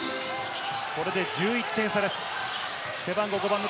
これで１１点差です。